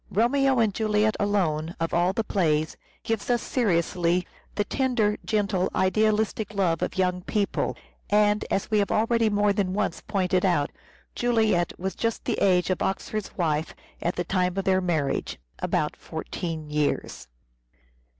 " Romeo and Juliet " alone, of all the plays, gives us seriously the tender, gentle, idealistic love of young people. And, as we have already more than once pointed out, Juliet was just the age of Oxford's wife at the time of their marriage (about 14 years).